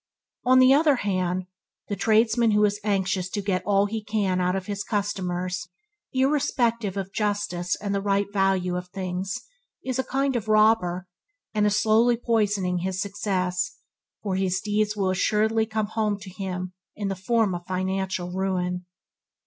On the other hand, the tradesman who is anxious to get all he can out of his customers, irrespective of justice and the right values of things, is a kind of robber, and is slowly poisoning his success, for his deeds will assuredly come home to him in the form of financial ruin.